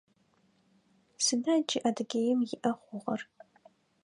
Сыда джы Адыгеим иӏэ хъугъэр?